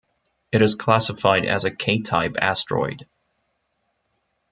It is classified as a K-type asteroid.